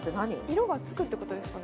色がつくってことですかね